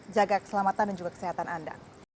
jaga keselamatan dan juga kesehatan anda